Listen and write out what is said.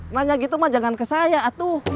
nanya gitu mah jangan ke saya atuh